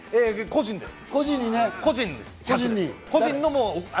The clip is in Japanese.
個人です。